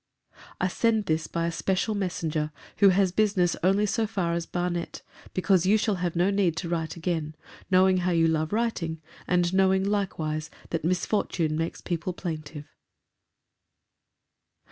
I send this by a special messenger, who has business only so far as Barnet, because you shall have no need to write again; knowing how you love writing: and knowing, likewise, that misfortune makes people plaintive.